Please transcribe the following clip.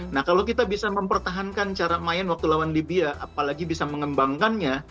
nah kalau kita bisa mempertahankan cara main waktu lawan libya apalagi bisa mengembangkannya